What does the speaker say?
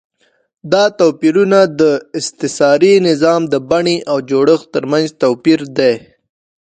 دا توپیرونه د استثاري نظام د بڼې او جوړښت ترمنځ توپیر دی.